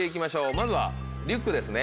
まずはリュックですね。